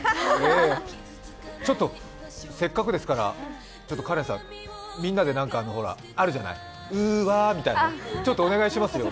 せっかくですから、かれんさん、みんなであるじゃない、う、わみたいなの、お願いしますよ。